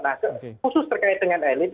nah khusus terkait dengan elit